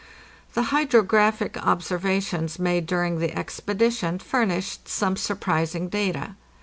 The hydrographic observations made during the expedition furnished some surprising data.